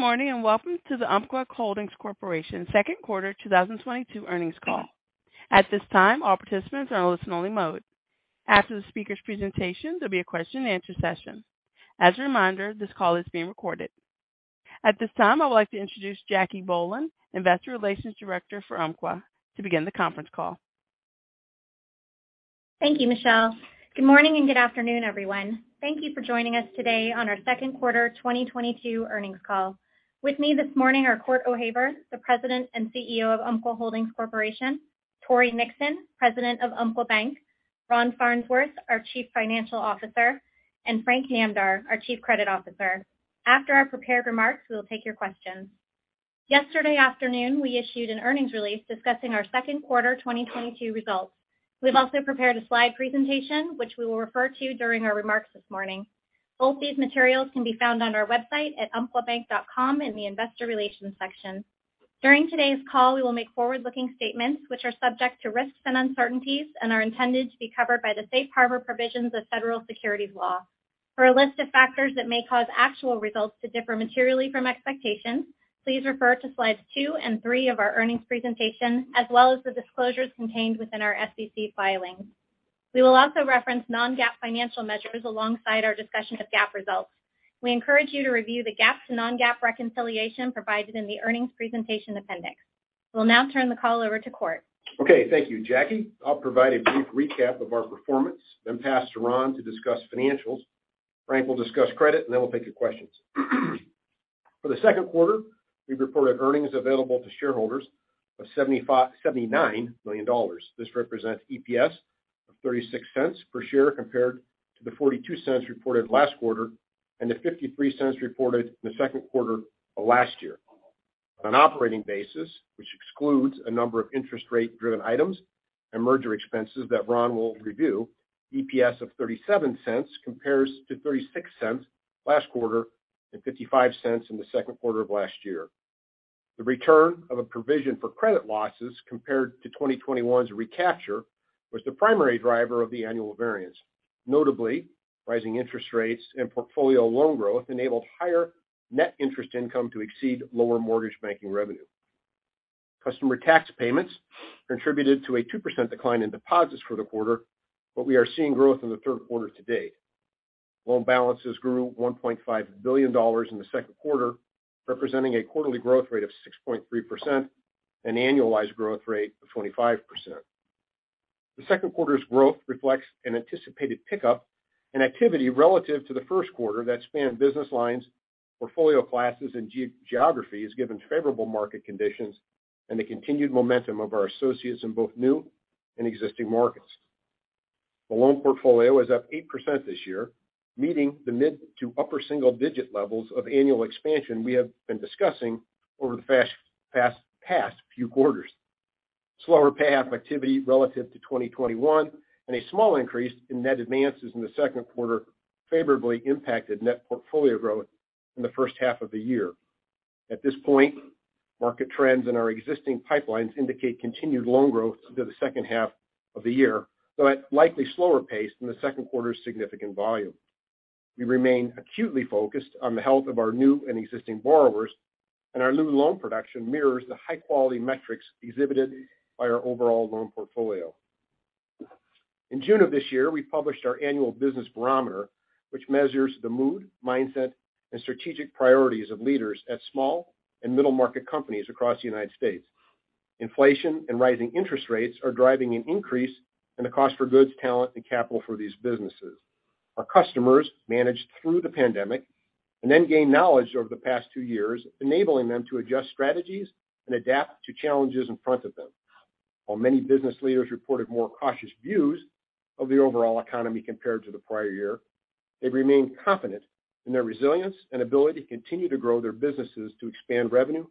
Good morning, and welcome to the Umpqua Holdings Corporation second quarter 2022 earnings call. At this time, all participants are in listen-only mode. After the speaker's presentation, there'll be a question and answer session. As a reminder, this call is being recorded. At this time, I would like to introduce Jacque Bohlen, Investor Relations Director for Umpqua, to begin the conference call. Thank you, Michelle. Good morning and good afternoon, everyone. Thank you for joining us today on our second quarter 2022 earnings call. With me this morning are Cort O'Haver, the President and CEO of Umpqua Holdings Corporation; Tory Nixon, President of Umpqua Bank, Ron Farnsworth; our Chief Financial Officer; and Frank Namdar, our Chief Credit Officer. After our prepared remarks, we will take your questions. Yesterday afternoon, we issued an earnings release discussing our second quarter 2022 results. We've also prepared a slide presentation which we will refer to during our remarks this morning. Both these materials can be found on our website at umpquabank.com in the Investor Relations section. During today's call, we will make forward-looking statements which are subject to risks and uncertainties and are intended to be covered by the safe harbor provisions of federal securities law. For a list of factors that may cause actual results to differ materially from expectations, please refer to slides two and three of our earnings presentation, as well as the disclosures contained within our SEC filings. We will also reference non-GAAP financial measures alongside our discussion of GAAP results. We encourage you to review the GAAP to non-GAAP reconciliation provided in the earnings presentation appendix. We'll now turn the call over to Cort. Okay. Thank you, Jacque. I'll provide a brief recap of our performance, then pass to Ron to discuss financials. Frank will discuss credit, and then we'll take your questions. For the second quarter, we've reported earnings available to shareholders of $79 million. This represents EPS of $0.36 per share compared to the $0.42 reported last quarter and the $0.53 reported in the second quarter of last year. On an operating basis, which excludes a number of interest rate-driven items and merger expenses that Ron will review, EPS of $0.37 compares to $0.36 last quarter and $0.55 in the second quarter of last year. The return of a provision for credit losses compared to 2021's recapture was the primary driver of the annual variance. Notably, rising interest rates and portfolio loan growth enabled higher net interest income to exceed lower mortgage banking revenue. Customer tax payments contributed to a 2% decline in deposits for the quarter, but we are seeing growth in the third quarter to date. Loan balances grew $1.5 billion in the second quarter, representing a quarterly growth rate of 6.3%, an annualized growth rate of 25%. The second quarter's growth reflects an anticipated pickup in activity relative to the first quarter that spanned business lines, portfolio classes, and geography has given favorable market conditions and the continued momentum of our associates in both new and existing markets. The loan portfolio is up 8% this year, meeting the mid to upper single-digit levels of annual expansion we have been discussing over the past few quarters. Slower payoff activity relative to 2021 and a small increase in net advances in the second quarter favorably impacted net portfolio growth in the first half of the year. At this point, market trends in our existing pipelines indicate continued loan growth through the second half of the year, but likely slower pace than the second quarter's significant volume. We remain acutely focused on the health of our new and existing borrowers, and our new loan production mirrors the high-quality metrics exhibited by our overall loan portfolio. In June of this year, we published our Annual Business Barometer, which measures the mood, mindset, and strategic priorities of leaders at small and middle market companies across the United States. Inflation and rising interest rates are driving an increase in the cost of goods, talent, and capital for these businesses. Our customers managed through the pandemic and then gained knowledge over the past two years, enabling them to adjust strategies and adapt to challenges in front of them. While many business leaders reported more cautious views of the overall economy compared to the prior year, they remain confident in their resilience and ability to continue to grow their businesses to expand revenue,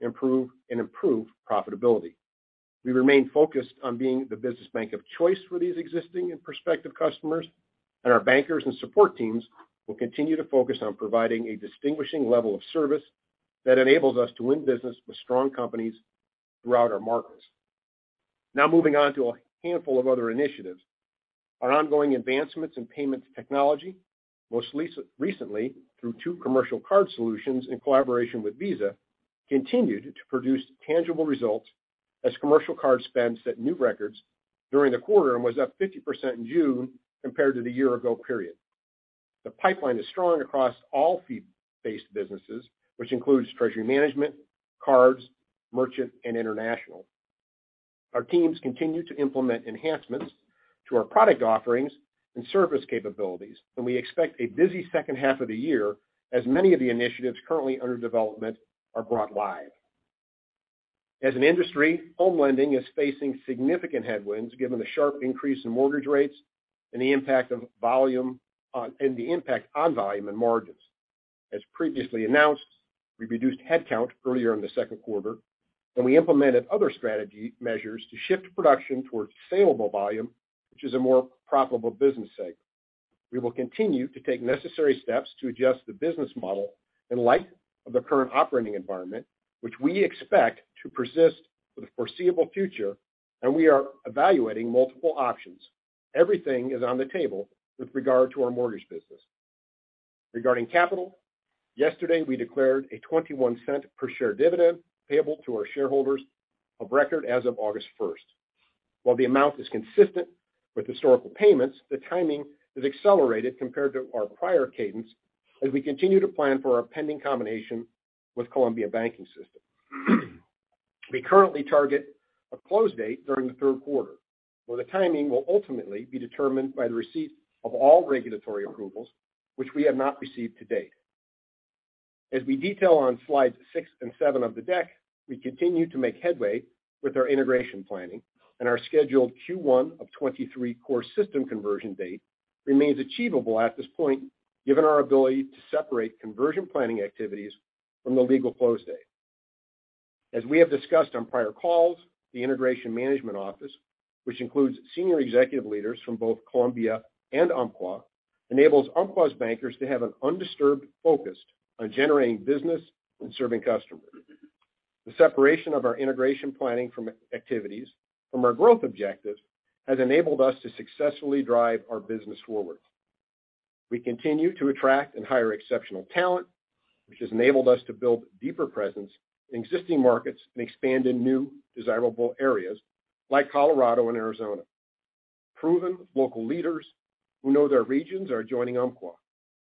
improve profitability. We remain focused on being the business bank of choice for these existing and prospective customers, and our bankers and support teams will continue to focus on providing a distinguishing level of service that enables us to win business with strong companies throughout our markets. Now moving on to a handful of other initiatives. Our ongoing advancements in payments technology, most recently through two commercial card solutions in collaboration with Visa, continued to produce tangible results as commercial card spend set new records during the quarter and was up 50% in June compared to the year ago period. The pipeline is strong across all fee-based businesses, which includes treasury management, cards, merchant, and international. Our teams continue to implement enhancements to our product offerings and service capabilities, and we expect a busy second half of the year as many of the initiatives currently under development are brought live. As an industry, home lending is facing significant headwinds given the sharp increase in mortgage rates and the impact on volume and margins. As previously announced, we reduced headcount earlier in the second quarter, and we implemented other strategy measures to shift production towards saleable volume, which is a more profitable business segment. We will continue to take necessary steps to adjust the business model in light of the current operating environment, which we expect to persist for the foreseeable future, and we are evaluating multiple options. Everything is on the table with regard to our mortgage business. Regarding capital, yesterday, we declared a $0.21 per share dividend payable to our shareholders of record as of August 1st. While the amount is consistent with historical payments, the timing is accelerated compared to our prior cadence as we continue to plan for our pending combination with Columbia Banking System. We currently target a close date during the third quarter, where the timing will ultimately be determined by the receipt of all regulatory approvals, which we have not received to date. As we detail on slides six and seven of the deck, we continue to make headway with our integration planning and our scheduled Q1 of 2023 core system conversion date remains achievable at this point, given our ability to separate conversion planning activities from the legal close date. As we have discussed on prior calls, the Integration Management Office, which includes senior executive leaders from both Columbia and Umpqua, enables Umpqua's bankers to have an undisturbed focus on generating business and serving customers. The separation of our integration planning activities from our growth objectives has enabled us to successfully drive our business forward. We continue to attract and hire exceptional talent, which has enabled us to build deeper presence in existing markets and expand in new desirable areas like Colorado and Arizona. Proven local leaders who know their regions are joining Umpqua.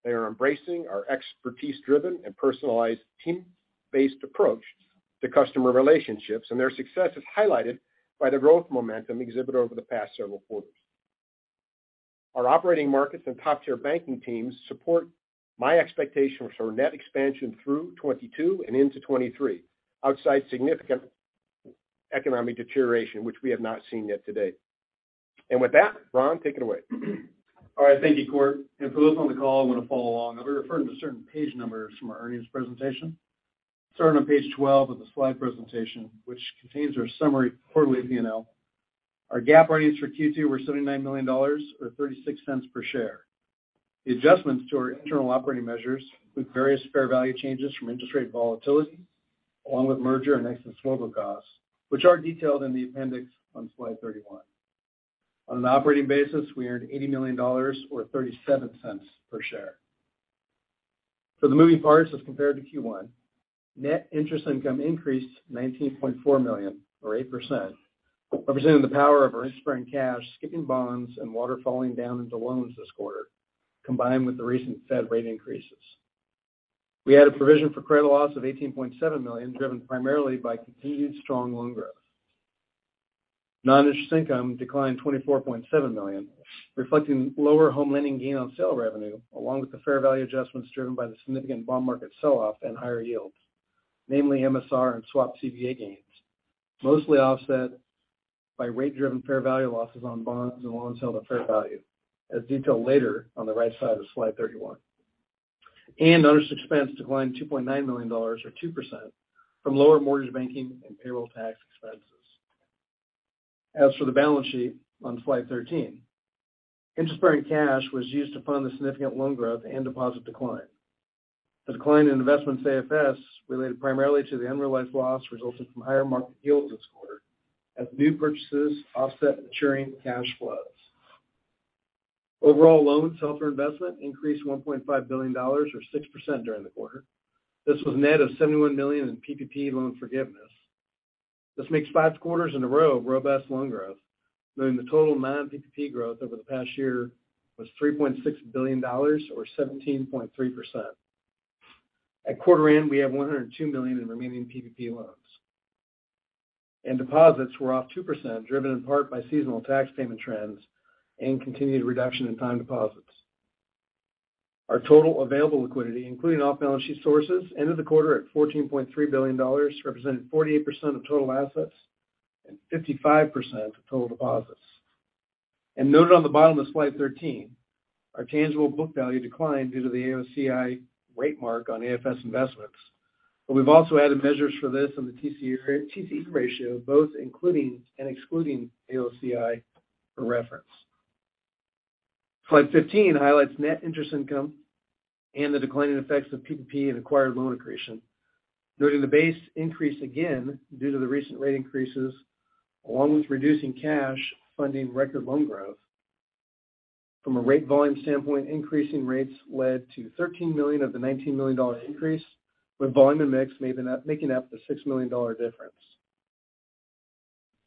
They are embracing our expertise-driven and personalized team-based approach to customer relationships, and their success is highlighted by the growth momentum exhibited over the past several quarters. Our operating markets and top-tier banking teams support my expectations for net expansion through 2022 and into 2023 outside significant economic deterioration, which we have not seen yet today. With that, Ron, take it away. All right. Thank you, Cort. For those on the call who want to follow along, I'll be referring to certain page numbers from our earnings presentation. Starting on page 12 of the slide presentation, which contains our summary quarterly P&L. Our GAAP earnings for Q2 were $79 million or $0.36 per share. The adjustments to our internal operating measures with various fair value changes from interest rate volatility, along with merger and exit and disposal costs, which are detailed in the appendix on slide 31. On an operating basis, we earned $80 million or $0.37 per share. For the moving parts, as compared to Q1, net interest income increased $19.4 million or 8%, representing the power of our interest-bearing cash, securities bonds, and waterfalling down into loans this quarter, combined with the recent Fed rate increases. We had a Provision for Credit Loss of $18.7 million, driven primarily by continued strong loan growth. Non-interest income declined $24.7 million, reflecting lower home lending gain on sale revenue, along with the fair value adjustments driven by the significant bond market sell-off and higher yields, namely MSR and swap CVA gains, mostly offset by rate-driven fair value losses on bonds and loans held at fair value, as detailed later on the right side of slide 31. Non-interest expense declined $2.9 million or 2% from lower mortgage banking and payroll tax expenses. As for the balance sheet on slide 13, interest-bearing cash was used to fund the significant loan growth and deposit decline. The decline in Investments AFS related primarily to the unrealized loss resulting from higher market yields this quarter as new purchases offset maturing cash flows. Overall loans held for investment increased $1.5 billion or 6% during the quarter. This was net of $71 million in PPP loan forgiveness. This makes five quarters in a row of robust loan growth, meaning the total non-PPP growth over the past year was $3.6 billion or 17.3%. At quarter end, we have $102 million in remaining PPP loans. Deposits were off 2%, driven in part by seasonal tax payment trends and continued reduction in time deposits. Our total available liquidity, including off-balance sheet sources, ended the quarter at $14.3 billion, representing 48% of total assets and 55% of total deposits. Noted on the bottom of slide 13, our tangible book value declined due to the AOCI rate mark on AFS investments. We've also added measures for this on the TCE ratio, both including and excluding AOCI for reference. Slide 15 highlights net interest income and the declining effects of PPP and acquired loan accretion. Noting the base increase again due to the recent rate increases, along with reducing cash funding record loan growth. From a rate volume standpoint, increasing rates led to $13 million of the $19 million increase, with volume and mix making up the $6 million difference.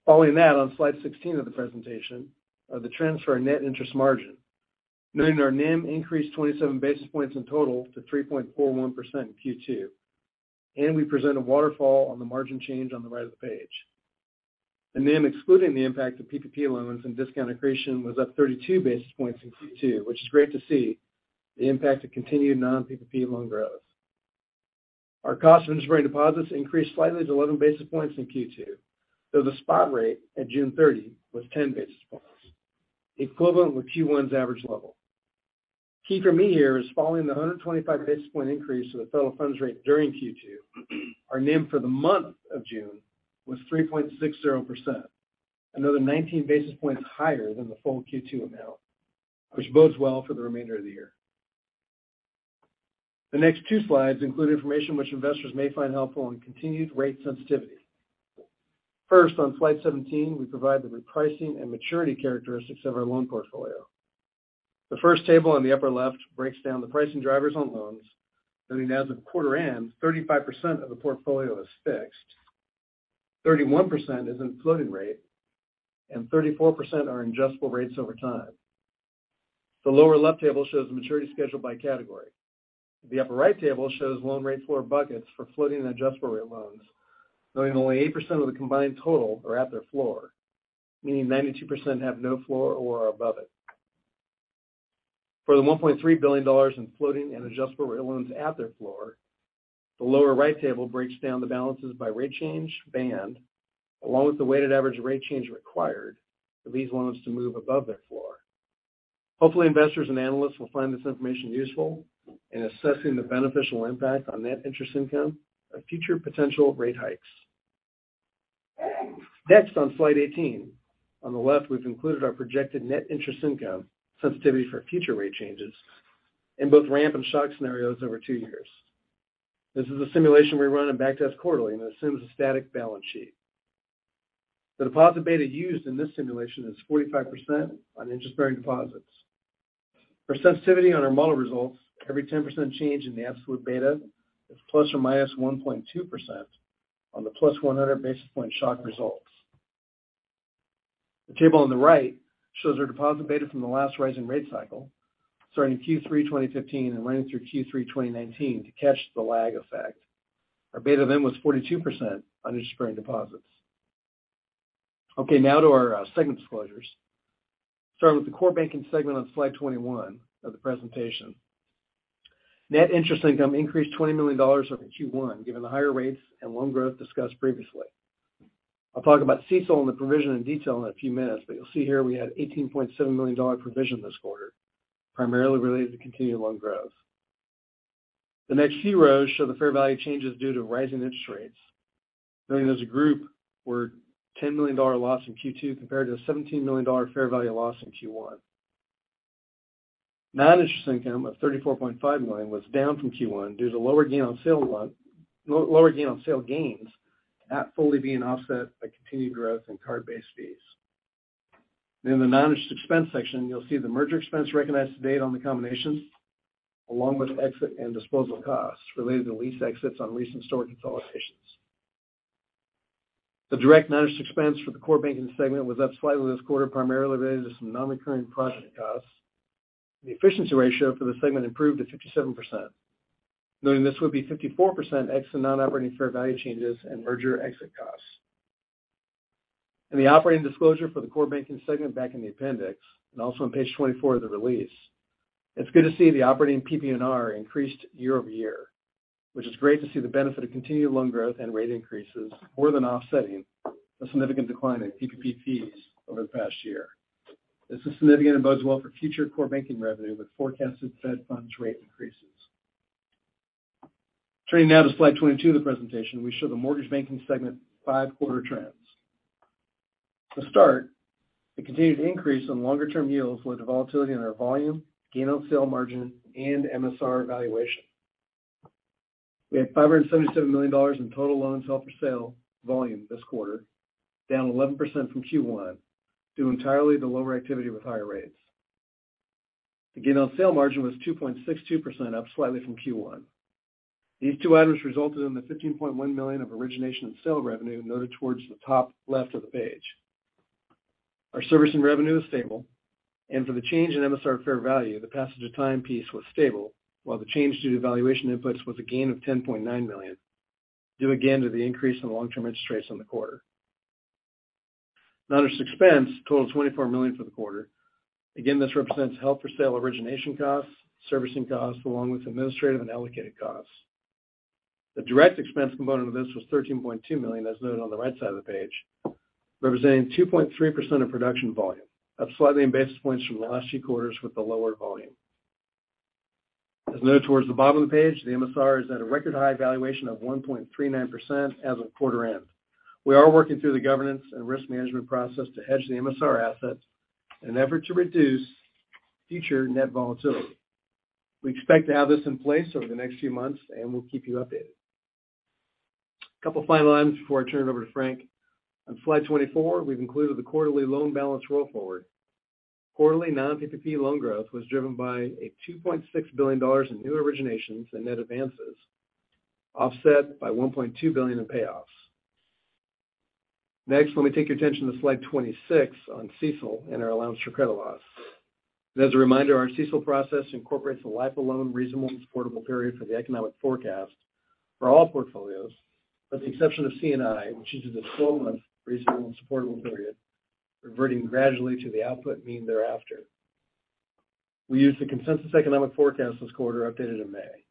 Following that on slide 16 of the presentation are the trends for our net interest margin. Noting our NIM increased 27 basis points in total to 3.41% in Q2. We present a waterfall on the margin change on the right of the page. The NIM excluding the impact of PPP loans and discount accretion was up 32 basis points in Q2, which is great to see the impact of continued non-PPP loan growth. Our cost of interest-bearing deposits increased slightly to 11 basis points in Q2, though the spot rate at June 30 was 10 basis points, equivalent to Q1's average level. Key for me here is following the 125 basis point increase to the federal funds rate during Q2. Our NIM for the month of June was 3.60%. Another 19 basis points higher than the full Q2 amount, which bodes well for the remainder of the year. The next two slides include information which investors may find helpful on continued rate sensitivity. First, on slide 17, we provide the repricing and maturity characteristics of our loan portfolio. The first table on the upper left breaks down the pricing drivers on loans, noting as of quarter end, 35% of the portfolio is fixed, 31% is in floating rate, and 34% are in adjustable rates over time. The lower left table shows the maturity schedule by category. The upper right table shows loan rate floor buckets for floating and adjustable rate loans, noting only 8% of the combined total are at their floor, meaning 92% have no floor or are above it. For the $1.3 billion in floating and adjustable rate loans at their floor, the lower right table breaks down the balances by rate change, band, along with the weighted average rate change required for these loans to move above their floor. Hopefully, investors and analysts will find this information useful in assessing the beneficial impact on net interest income of future potential rate hikes. Next, on slide 18. On the left, we've included our projected net interest income sensitivity for future rate changes in both ramp and shock scenarios over two years. This is a simulation we run and backtest quarterly, and it assumes a static balance sheet. The deposit beta used in this simulation is 45% on interest-bearing deposits. For sensitivity on our model results, every 10% change in the absolute beta is ±1.2% on the +100 basis point shock results. The table on the right shows our deposit beta from the last rising rate cycle, starting Q3 2015 and running through Q3 2019 to catch the lag effect. Our beta then was 42% on interest-bearing deposits. Okay, now to our segment disclosures. Starting with the core banking segment on slide 21 of the presentation. Net interest income increased $20 million over Q1, given the higher rates and loan growth discussed previously. I'll talk about CECL and the provision in detail in a few minutes, but you'll see here we had $18.7 million provision this quarter, primarily related to continued loan growth. The next few rows show the fair value changes due to rising interest rates. Knowing as a group, we're at $10 million loss in Q2 compared to a $17 million fair value loss in Q1. Managed income of $34.5 million was down from Q1 due to lower gain on sale gains not fully being offset by continued growth in card-based fees. In the managed expense section, you'll see the merger expense recognized to date on the combinations, along with exit and disposal costs related to lease exits on recent store consolidations. The direct managed expense for the core banking segment was up slightly this quarter, primarily related to some non-recurring project costs. The efficiency ratio for the segment improved to 57%, noting this would be 54% excluding non-operating fair value changes and merger exit costs. In the operating disclosure for the core banking segment back in the appendix, and also on page 24 of the release, it's good to see the operating PPNR increased year-over-year, which is great to see the benefit of continued loan growth and rate increases more than offsetting the significant decline in PPP fees over the past year. This is significant and bodes well for future core banking revenue with forecasted Fed funds rate increases. Turning now to slide 22 of the presentation, we show the mortgage banking segment five-quarter trends. To start, the continued increase in longer-term yields led to volatility in our volume, gain on sale margin, and MSR valuation. We had $577 million in total loans held for sale volume this quarter, down 11% from Q1, due entirely to lower activity with higher rates. The gain on sale margin was 2.62%, up slightly from Q1. These two items resulted in the $15.1 million of origination and sale revenue noted towards the top left of the page. Our servicing revenue was stable, and for the change in MSR fair value, the passage of time piece was stable, while the change due to valuation inputs was a gain of $10.9 million, due again to the increase in long-term interest rates on the quarter. Managed expense totaled $24 million for the quarter. Again, this represents held for sale origination costs, servicing costs, along with administrative and allocated costs. The direct expense component of this was $13.2 million, as noted on the right side of the page, representing 2.3% of production volume, up slightly in basis points from the last few quarters with the lower volume. As noted towards the bottom of the page, the MSR is at a record high valuation of 1.39% as of quarter end. We are working through the governance and risk management process to hedge the MSR assets in an effort to reduce future net volatility. We expect to have this in place over the next few months, and we'll keep you updated. Couple final items before I turn it over to Frank. On slide 24, we've included the quarterly loan balance roll forward. Quarterly non-PPP loan growth was driven by $2.6 billion in new originations and net advances, offset by $1.2 billion in payoffs. Next, let me take your attention to slide 26 on CECL and our allowance for credit loss. As a reminder, our CECL process incorporates a life of loan reasonable and supportable period for the economic forecast for all portfolios, with the exception of C&I, which uses a 12-month reasonable and supportable period, reverting gradually to the output mean thereafter. We used the consensus economic forecast this quarter updated in May.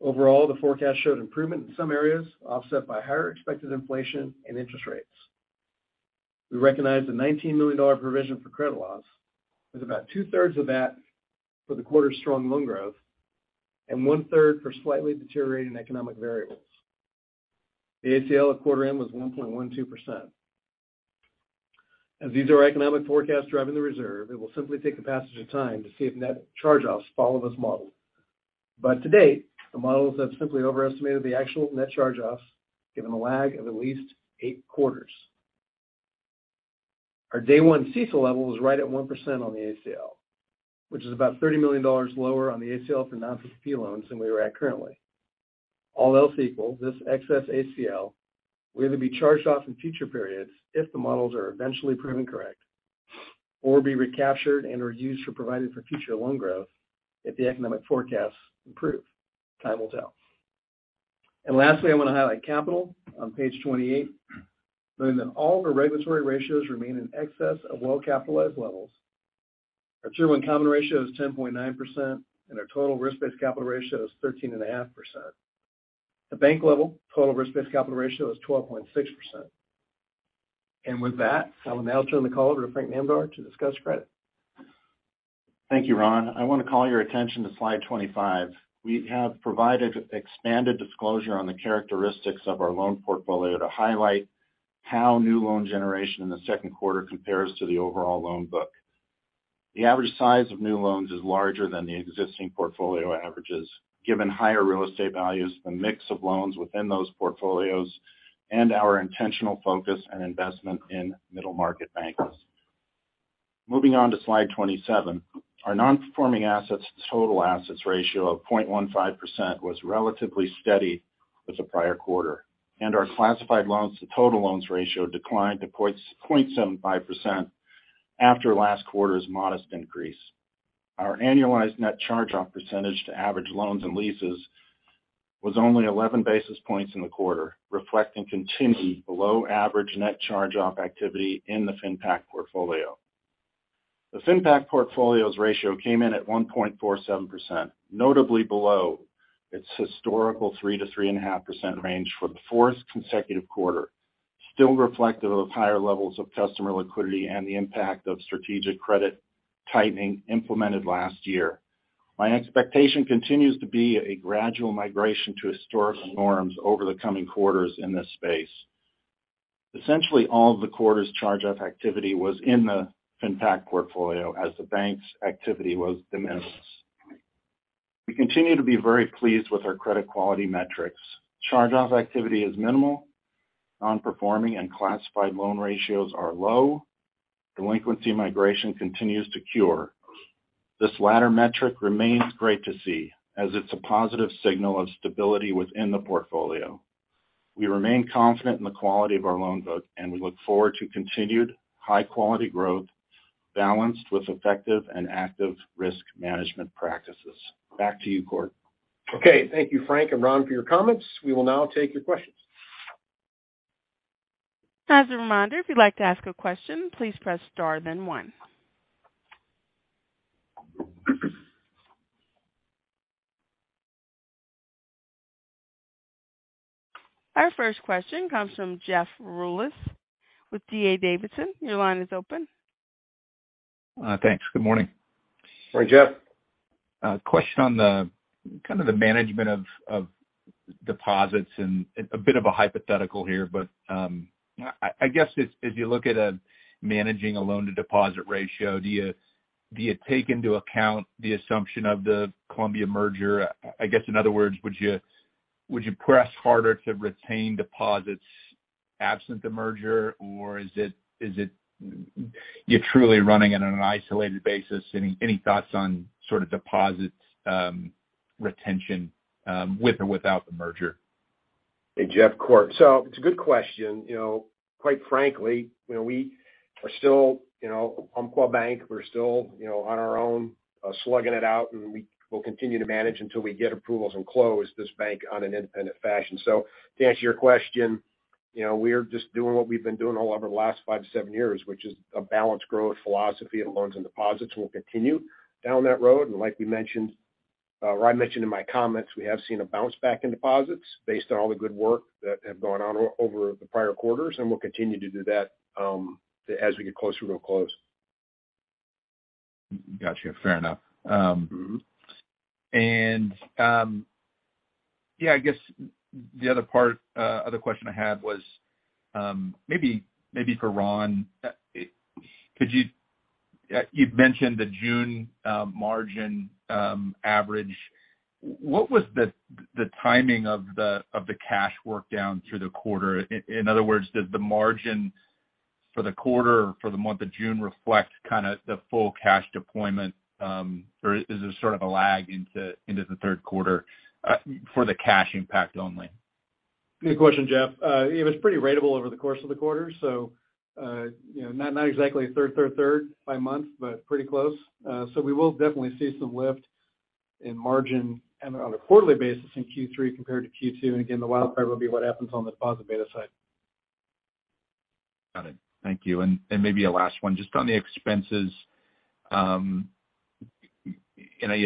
Overall, the forecast showed improvement in some areas, offset by higher expected inflation and interest rates. We recognized a $19 million Provision for Credit Loss, with about 2/3 of that for the quarter's strong loan growth, and 1/3 for slightly deteriorating economic variables. The ACL at quarter end was 1.12%. As these are economic forecasts driving the reserve, it will simply take the passage of time to see if net charge-offs follow this model. To date, the models have simply overestimated the actual net charge-offs, given a lag of at least eight quarters. Our day one CECL level was right at 1% on the ACL, which is about $30 million lower on the ACL for non-PCD loans than we are at currently. All else equal, this excess ACL will either be charged off in future periods if the models are eventually proven correct, or be recaptured and/or used for providing for future loan growth if the economic forecasts improve. Time will tell. Lastly, I want to highlight capital on page 28, noting that all the regulatory ratios remain in excess of well-capitalized levels. Our tier one common ratio is 10.9%, and our total risk-based capital ratio is 13.5%. The bank level total risk-based capital ratio is 12.6%. With that, I will now turn the call over to Frank Namdar to discuss credit. Thank you, Ron. I want to call your attention to slide 25. We have provided expanded disclosure on the characteristics of our loan portfolio to highlight how new loan generation in the second quarter compares to the overall loan book. The average size of new loans is larger than the existing portfolio averages, given higher real estate values, the mix of loans within those portfolios, and our intentional focus and investment in middle-market banks. Moving on to slide 27. Our non-performing assets to total assets ratio of 0.15% was relatively steady with the prior quarter, and our classified loans to total loans ratio declined to 0.75% after last quarter's modest increase. Our annualized net charge-off percentage to average loans and leases was only 11 basis points in the quarter, reflecting continued below-average net charge-off activity in the FinPac portfolio. The FinPac portfolio's ratio came in at 1.47%, notably below its historical 3%-3.5% range for the fourth consecutive quarter, still reflective of higher levels of customer liquidity and the impact of strategic credit tightening implemented last year. My expectation continues to be a gradual migration to historical norms over the coming quarters in this space. Essentially, all of the quarter's charge-off activity was in the FinPac portfolio as the bank's activity was de minimis. We continue to be very pleased with our credit quality metrics. Charge-off activity is minimal. Non-performing and classified loan ratios are low. Delinquency migration continues to cure. This latter metric remains great to see, as it's a positive signal of stability within the portfolio. We remain confident in the quality of our loan book, and we look forward to continued high-quality growth balanced with effective and active risk management practices. Back to you, Cort. Okay. Thank you, Frank and Ron, for your comments. We will now take your questions. As a reminder, if you'd like to ask a question, please press star then one. Our first question comes from Jeff Rulis with D.A. Davidson. Your line is open. Thanks. Good morning. Morning, Jeff. Question on the kind of the management of deposits and a bit of a hypothetical here, but I guess as you look at managing a loan-to-deposit ratio, do you take into account the assumption of the Columbia merger? I guess, in other words, would you press harder to retain deposits absent the merger? Or is it you're truly running on an isolated basis? Any thoughts on sort of deposits retention with or without the merger? Hey, Jeff, Cort. It's a good question. You know, quite frankly, you know, we are still, you know, Umpqua Bank. We're still, you know, on our own, slugging it out, and we will continue to manage until we get approvals and close this bank on an independent fashion. To answer your question, you know, we're just doing what we've been doing all over the last five to seven years, which is a balanced growth philosophy of loans and deposits. We'll continue down that road. Like we mentioned, or I mentioned in my comments, we have seen a bounce back in deposits based on all the good work that have gone on over the prior quarters, and we'll continue to do that, as we get closer to a close. Gotcha. Fair enough. Mm-hmm. Yeah, I guess the other part, other question I had was, maybe for Ron. You'd mentioned the June margin average. What was the timing of the cash drawdown through the quarter? In other words, does the margin for the quarter or for the month of June reflect kind of the full cash deployment? Or is this sort of a lag into the third quarter for the cash impact only? Good question, Jeff. It was pretty ratable over the course of the quarter, so, you know, not exactly a third, third by month, but pretty close. So we will definitely see some lift in margin and on a quarterly basis in Q3 compared to Q2. Again, the wildcard will be what happens on the deposit beta side. Got it. Thank you. Maybe a last one just on the expenses. You know,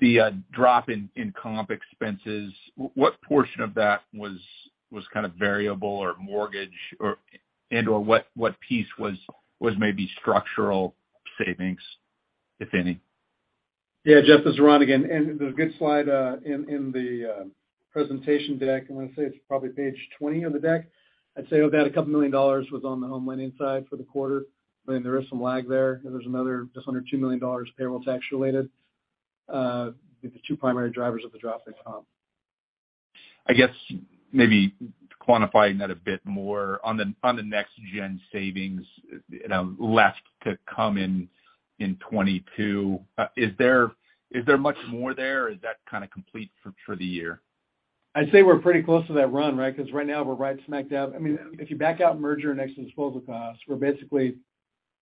the drop in comp expenses, what portion of that was kind of variable or mortgage or and/or what piece was maybe structural savings, if any? Yeah, Jeff, this is Ron again. There's a good slide in the presentation deck. I wanna say it's probably page 20 of the deck. I'd say about $2 million was on the home lending side for the quarter. I mean, there is some lag there, and there's another just under $2 million payroll tax related, the two primary drivers of the drop in comp. I guess maybe quantifying that a bit more on the NextGen savings, you know, left to come in 2022. Is there much more there or is that kind of complete for the year? I'd say we're pretty close to that run, right? Because right now we're right maxed out. I mean, if you back out merger and exit and disposal costs, we're basically,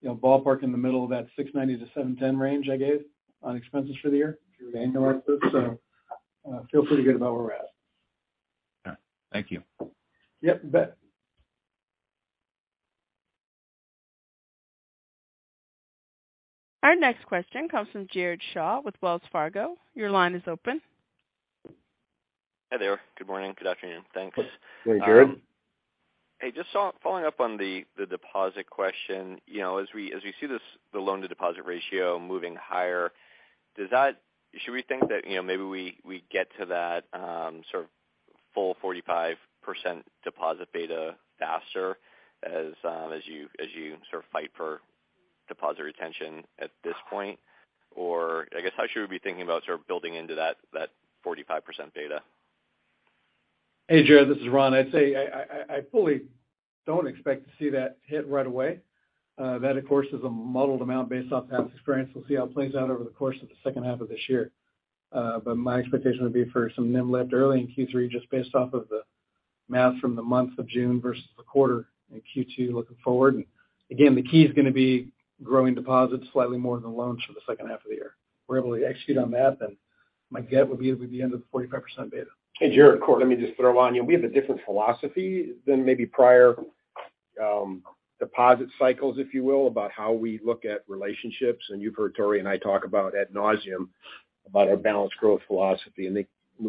you know, ballpark in the middle of that $690-$710 range I gave on expenses for the year if you annualize this. Feel pretty good about where we're at. All right. Thank you. Yep, you bet. Our next question comes from Jared Shaw with Wells Fargo. Your line is open. Hi there. Good morning. Good afternoon. Thanks. Go ahead, Jared. Hey, just following up on the deposit question. You know, as we see this, the loan to deposit ratio moving higher, should we think that, you know, maybe we get to that sort of full 45% deposit beta faster as you sort of fight for deposit retention at this point? I guess how should we be thinking about sort of building into that 45% beta? Hey, Jared, this is Ron. I'd say I fully don't expect to see that hit right away. That of course is a muddled amount based off past experience. We'll see how it plays out over the course of the second half of this year. My expectation would be for some NIM lift early in Q3 just based off of the math from the month of June versus the quarter in Q2 looking forward. Again, the key is gonna be growing deposits slightly more than loans for the second half of the year. If we're able to execute on that, then my guess would be it would be under the 45% beta. Hey, Jared, let me just throw in. We have a different philosophy than maybe prior deposit cycles, if you will, about how we look at relationships. You've heard Tory and I talk about ad nauseam about our balanced growth philosophy. I think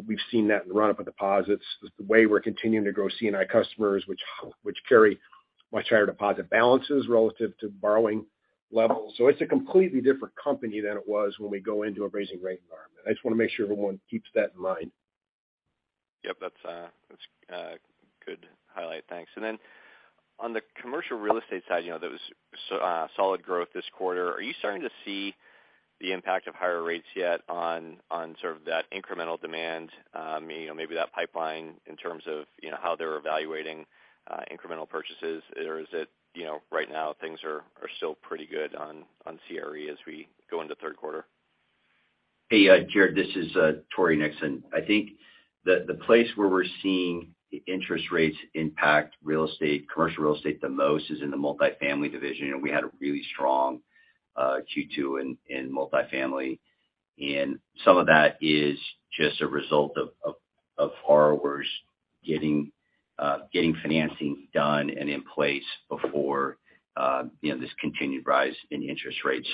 we've seen that in the run up of deposits, the way we're continuing to grow C&I customers which carry much higher deposit balances relative to borrowing levels. It's a completely different company than it was when we go into a rising rate environment. I just want to make sure everyone keeps that in mind. Yep. That's a good highlight. Thanks. Then on the commercial real estate side, you know, there was solid growth this quarter. Are you starting to see the impact of higher rates yet on sort of that incremental demand, you know, maybe that pipeline in terms of, you know, how they're evaluating incremental purchases? Or is it, you know, right now things are still pretty good on CRE as we go into third quarter? Hey, Jared, this is Tory Nixon. I think the place where we're seeing interest rates impact real estate, commercial real estate the most is in the multifamily division. You know, we had a really strong Q2 in multifamily, and some of that is just a result of borrowers getting financing done and in place before you know, this continued rise in interest rates.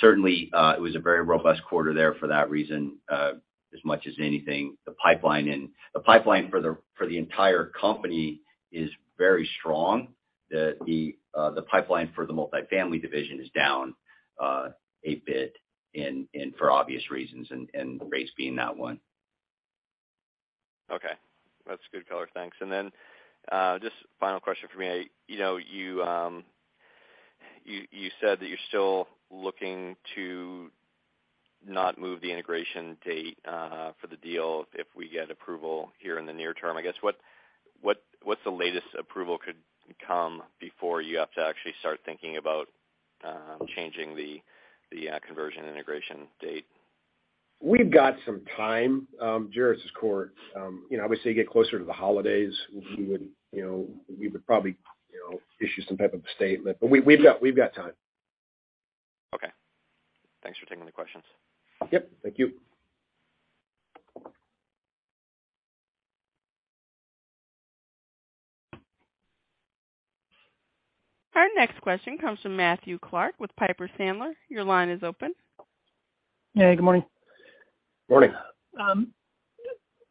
Certainly, it was a very robust quarter there for that reason. As much as anything, the pipeline for the entire company is very strong. The pipeline for the multifamily division is down a bit and for obvious reasons and rates being that one. Okay. That's good color. Thanks. Just final question for me. You know, you said that you're still looking to not move the integration date for the deal if we get approval here in the near term. I guess, what's the latest approval could come before you have to actually start thinking about changing the conversion integration date? We've got some time. Jared, this is Cort. You know, obviously you get closer to the holidays, we would probably, you know, issue some type of a statement. We've got time. Okay. Thanks for taking the questions. Yep. Thank you. Our next question comes from Matthew Clark with Piper Sandler. Your line is open. Hey, good morning. Morning.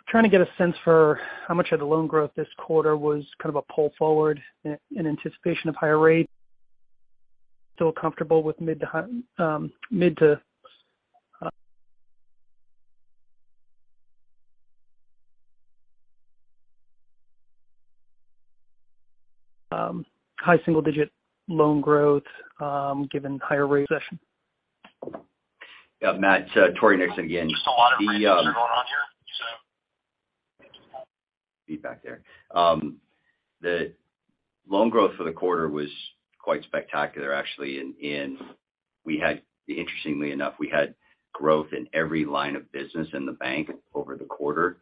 Trying to get a sense for how much of the loan growth this quarter was kind of a pull forward in anticipation of higher rates. Still comfortable with mid to high single digit loan growth, given higher rates scenario. Yeah, Matt, it's Tory Nixon again. Just a lot of feedback going on here. Feedback there. The loan growth for the quarter was quite spectacular actually. Interestingly enough, we had growth in every line of business in the bank over the quarter.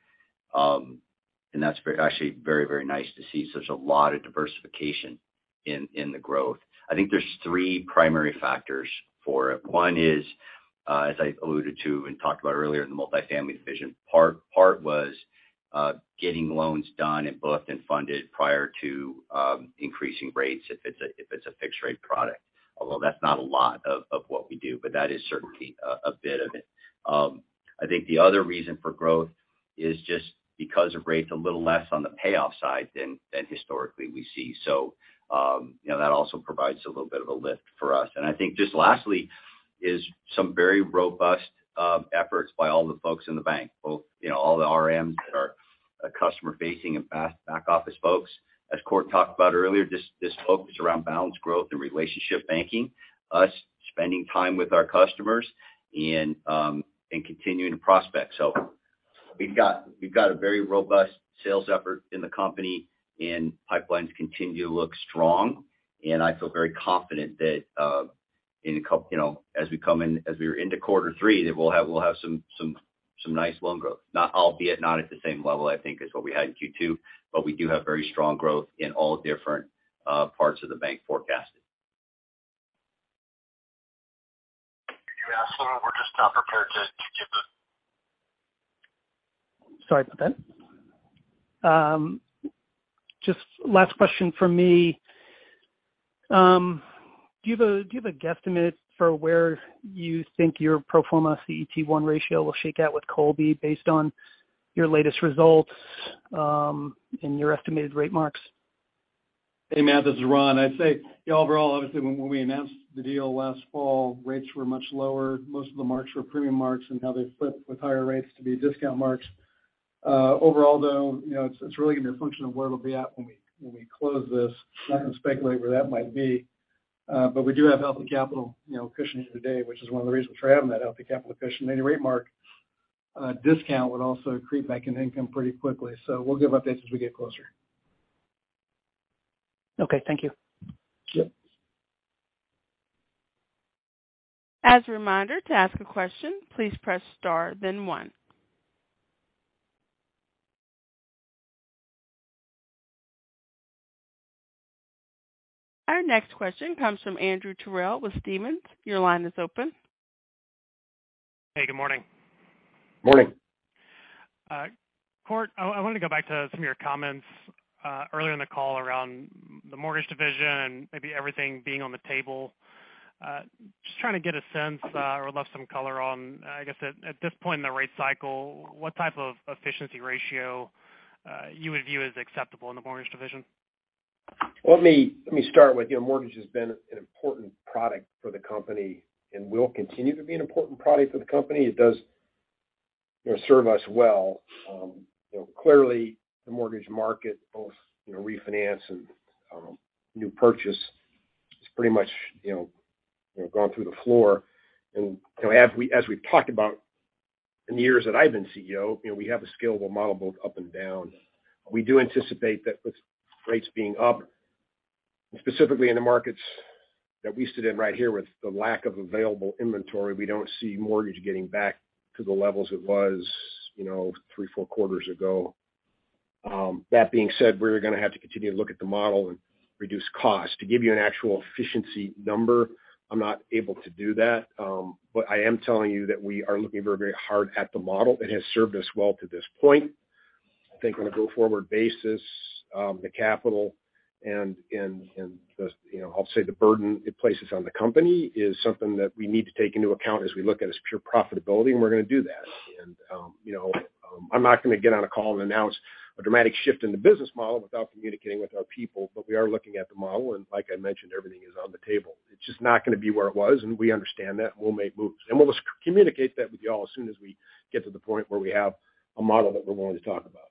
That's actually very, very nice to see such a lot of diversification in the growth. I think there's three primary factors for it. One is as I alluded to and talked about earlier in the multifamily division. Part was getting loans done and booked and funded prior to increasing rates if it's a fixed rate product. Although that's not a lot of what we do, but that is certainly a bit of it. I think the other reason for growth is just because of rates a little less on the payoff side than historically we see. You know, that also provides a little bit of a lift for us. I think just lastly is some very robust efforts by all the folks in the bank, both you know, all the RMs that are customer-facing and back office folks. As Cort talked about earlier, this focus around balance growth and relationship banking, us spending time with our customers and continuing to prospect. We've got a very robust sales effort in the company and pipelines continue to look strong. I feel very confident that as we are into quarter three, that we'll have some nice loan growth, albeit not at the same level, I think, as what we had in Q2. We do have very strong growth in all different parts of the bank forecasted. Can you ask them? We're just not prepared to. Sorry about that. Just last question from me. Do you have a guesstimate for where you think your pro forma CET1 ratio will shake out with Columbia based on your latest results, and your estimated rate marks? Hey, Matthew, this is Ron. I'd say overall, obviously, when we announced the deal last fall, rates were much lower. Most of the marks were premium marks, and now they flip with higher rates to be discount marks. Overall, though, you know, it's really going to be a function of where it'll be at when we close this. I'm not going to speculate where that might be. We do have healthy capital, you know, cushion here today, which is one of the reasons for having that healthy capital cushion. Any rate mark discount would also creep back in income pretty quickly. We'll give updates as we get closer. Okay. Thank you. Yep. As a reminder to ask a question, please press star then one. Our next question comes from Andrew Terrell with Stephens. Your line is open. Hey, good morning. Morning. Cort, I wanted to go back to some of your comments earlier in the call around the mortgage division and maybe everything being on the table. Just trying to get a sense, I'd love some color on, I guess, at this point in the rate cycle, what type of efficiency ratio you would view as acceptable in the mortgage division? Let me start with, you know, mortgage has been an important product for the company and will continue to be an important product for the company. It does, you know, serve us well. You know, clearly the mortgage market, both, you know, refinance and, new purchase is pretty much, you know, gone through the floor. You know, as we've talked about in the years that I've been CEO, you know, we have a scalable model both up and down. We do anticipate that with rates being up, specifically in the markets that we sit in right here with the lack of available inventory, we don't see mortgage getting back to the levels it was, you know, three, four quarters ago. That being said, we're going to have to continue to look at the model and reduce costs. To give you an actual efficiency number, I'm not able to do that. I am telling you that we are looking very, very hard at the model. It has served us well to this point. I think on a go-forward basis, the capital and the, you know, I'll say the burden it places on the company is something that we need to take into account as we look at its pure profitability, and we're going to do that. I'm not going to get on a call and announce a dramatic shift in the business model without communicating with our people, but we are looking at the model. Like I mentioned, everything is on the table. It's just not going to be where it was, and we understand that, and we'll make moves. We'll communicate that with you all as soon as we get to the point where we have a model that we're willing to talk about.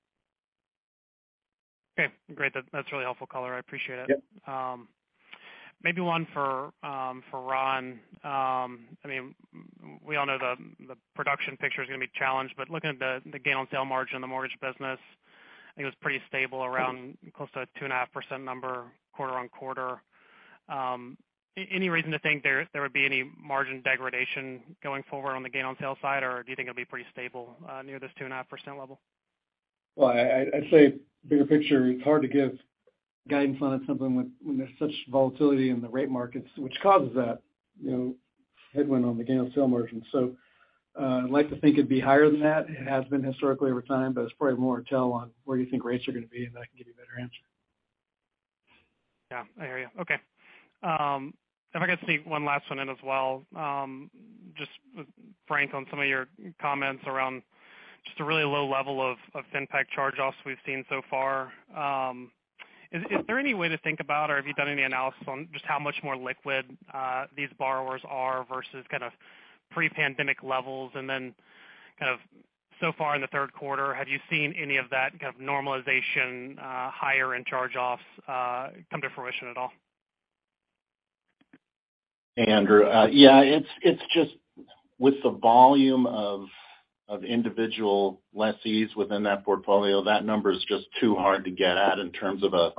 Okay. Great. That, that's really helpful color. I appreciate it. Yep. Maybe one for Ron. I mean, we all know the production picture is going to be challenged, but looking at the gain on sale margin in the mortgage business, I think it was pretty stable around close to a 2.5% number quarter-over-quarter. Any reason to think there would be any margin degradation going forward on the gain on sale side? Or do you think it'll be pretty stable near this 2.5% level? Well, I'd say bigger picture, it's hard to give guidance on something when there's such volatility in the rate markets, which causes that, you know, headwind on the gain on sale margin. I'd like to think it'd be higher than that. It has been historically over time, but it's probably more detail on where you think rates are going to be, and I can give you a better answer. Yeah, I hear you. Okay. If I could sneak one last one in as well, just with Frank on some of your comments around just a really low level of FinPac charge-offs we've seen so far. Is there any way to think about or have you done any analysis on just how much more liquid these borrowers are versus kind of pre-pandemic levels? Kind of so far in the third quarter, have you seen any of that kind of normalization higher in charge-off come to fruition at all? Andrew, yeah, it's just with the volume of individual lessees within that portfolio, that number is just too hard to get at in terms of a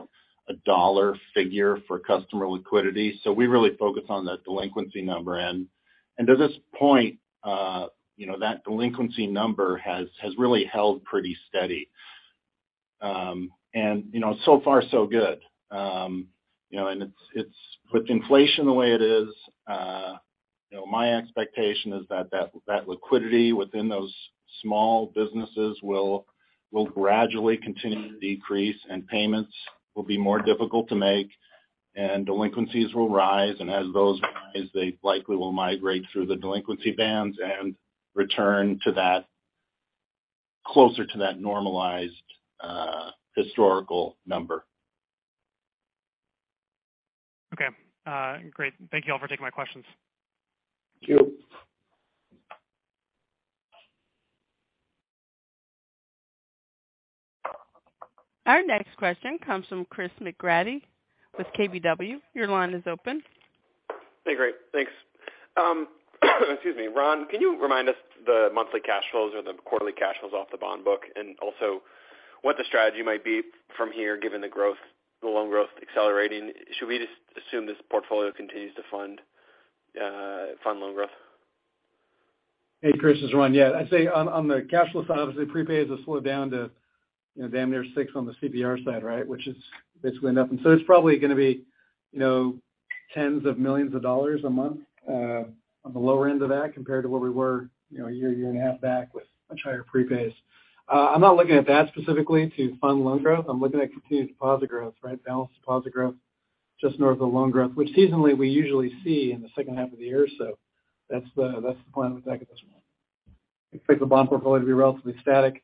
dollar figure for customer liquidity. So we really focus on that delinquency number. To this point, you know, that delinquency number has really held pretty steady. You know, so far so good. You know, and it's with inflation the way it is, you know, my expectation is that that liquidity within those small businesses will Will gradually continue to decrease and payments will be more difficult to make, and delinquencies will rise. As those rise, they likely will migrate through the delinquency bands and return to that, closer to that normalized, historical number. Okay. Great. Thank you all for taking my questions. Thank you. Our next question comes from Chris McGratty with KBW. Your line is open. Hey, great. Thanks. Excuse me. Ron, can you remind us the monthly cash flows or the quarterly cash flows off the bond book, and also what the strategy might be from here, given the growth, the loan growth accelerating? Should we just assume this portfolio continues to fund loan growth? Hey, Chris, it's Ron. Yeah, I'd say on the cash flow side, obviously prepay has slowed down to, you know, damn near six on the CPR side, right? Which is basically nothing. It's probably gonna be, you know, tens of millions a month on the lower end of that, compared to where we were, you know, a year and a half back with much higher prepays. I'm not looking at that specifically to fund loan growth. I'm looking at continued deposit growth, right? Balanced deposit growth just north of the loan growth, which seasonally we usually see in the second half of the year. That's the plan of attack at this point. Expect the bond portfolio to be relatively static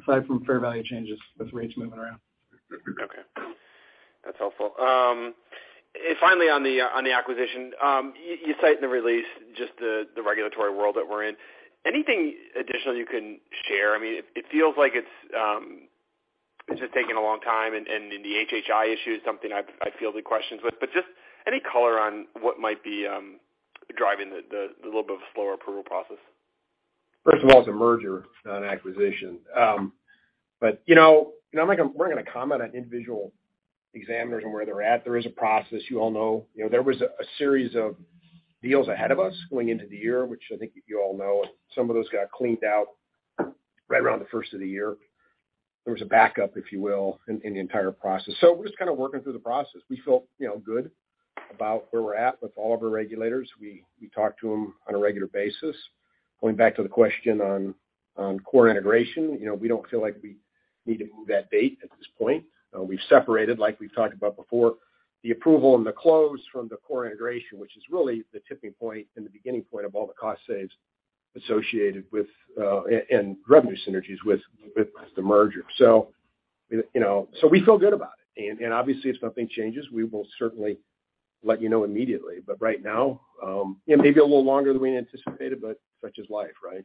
aside from fair value changes with rates moving around. Okay, that's helpful. Finally, on the acquisition. You cite in the release just the regulatory world that we're in. Anything additional you can share? I mean, it feels like it's just taking a long time, and the HHI issue is something I field the questions with. Just any color on what might be driving the little bit of a slower approval process? First of all, it's a merger, not an acquisition. You know, we're not gonna comment on individual examiners and where they're at. There is a process you all know. You know, there was a series of deals ahead of us going into the year, which I think you all know, and some of those got cleaned out right around the first of the year. There was a backup, if you will, in the entire process. We're just kinda working through the process. We feel, you know, good about where we're at with all of our regulators. We talk to them on a regular basis. Going back to the question on core integration, you know, we don't feel like we need to move that date at this point. We've separated, like we've talked about before, the approval and the close from the core integration, which is really the tipping point and the beginning point of all the cost saves associated with and revenue synergies with the merger. You know, so we feel good about it. Obviously, if something changes, we will certainly let you know immediately. Right now, it may be a little longer than we anticipated, but such is life, right?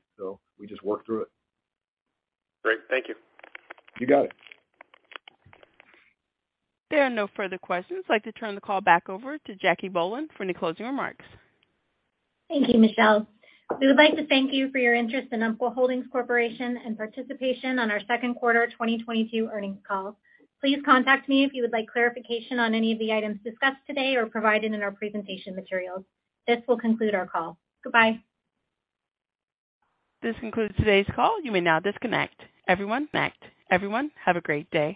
We just work through it. Great. Thank you. You got it. There are no further questions. I'd like to turn the call back over to Jacquelynne Bohlen for any closing remarks. Thank you, Michelle. We would like to thank you for your interest in Umpqua Holdings Corporation and participation on our second quarter 2022 earnings call. Please contact me if you would like clarification on any of the items discussed today or provided in our presentation materials. This will conclude our call. Goodbye. This concludes today's call. You may now disconnect. Everyone, disconnect. Everyone, have a great day.